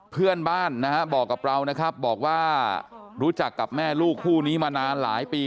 เพื่อนบ้านนะฮะบอกกับเรานะครับบอกว่ารู้จักกับแม่ลูกคู่นี้มานานหลายปี